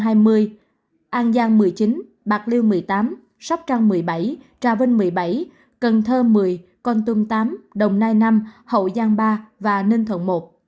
thái nguyên ba mươi chín bạc liêu một mươi tám sóc trang một mươi bảy trà vân một mươi bảy cần thơ một mươi con tương tám đồng nai năm hậu giang ba và ninh thuận một